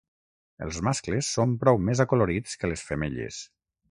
Els mascles són prou més acolorits que les femelles.